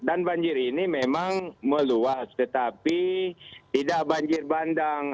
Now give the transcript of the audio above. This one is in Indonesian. dan banjir ini memang meluas tetapi tidak banjir bandang